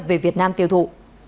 về việt nam tiêu thụ